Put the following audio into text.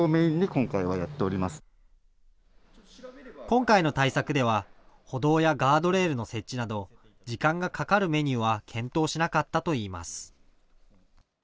今回の対策では歩道やガードレールの設置など時間がかかるメニューは検討しなかったといいます。